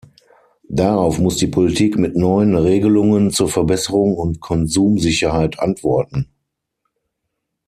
Darauf muss die Politik mit neuen Regelungen zur Verbesserung und Konsumsicherheit antworten.